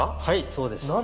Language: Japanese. はいそうです。